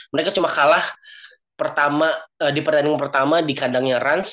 mereka cuma kalah di pertandingan pertama di kandangnya rans